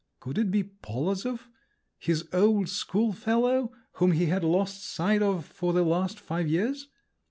Could it be Polozov, his old schoolfellow, whom he had lost sight of for the last five years?